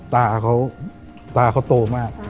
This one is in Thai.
ตาเขาตาเขาโตมาก